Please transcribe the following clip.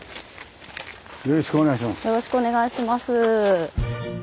よろしくお願いします。